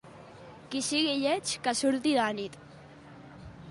Qui sigui lleig que surti de nit.